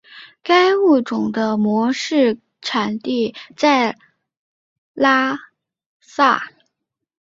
该物种的模式产地在拉萨。